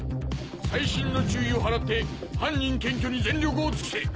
細心の注意を払って犯人検挙に全力を尽くせ！